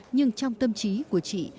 nhưng trong tâm trí của chị